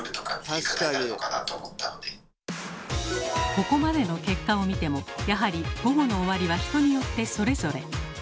ここまでの結果を見てもやはり「午後の終わり」は人によってそれぞれ。